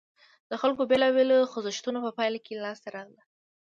د خلکو بېلابېلو خوځښتونو په پایله کې لاسته راغله.